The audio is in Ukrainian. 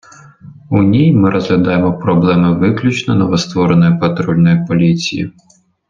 У ній ми розглядаємо проблеми виключно новоствореної Патрульної поліції.